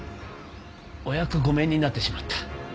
お役御免になってしまった。